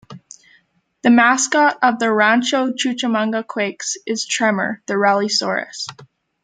The mascot of the Rancho Cucamonga Quakes is Tremor, the "Rallysaurus".